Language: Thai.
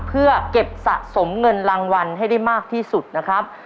เพื่อเก็บสะสมเงินรางวัลให้ได้มากที่สุดนะครับ